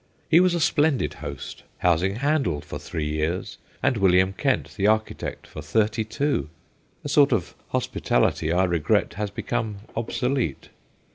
He was a splendid host, housing Handel for three years, and William Kent, the architect, for thirty two a sort of hospitality I regret has become obsolete.